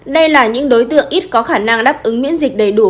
đây là những đối tượng ít có khả năng đáp ứng miễn dịch đầy đủ